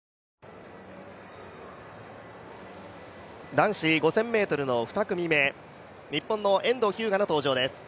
男子５０００ｍの２組目、日本の遠藤日向の登場です。